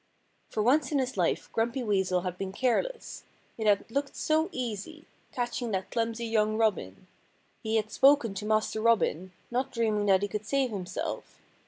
For once in his life Grumpy Weasel had been careless. It had looked so easy catching that clumsy young robin! He had spoken to Master Robin, not dreaming that he could save himself.